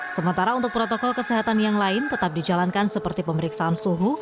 sementara untuk protokol kesehatan yang lain tetap dijalankan seperti pemeriksaan suhu